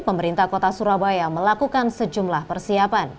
pemerintah kota surabaya melakukan sejumlah persiapan